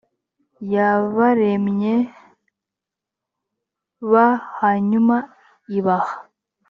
yabaremye b hanyuma ibaha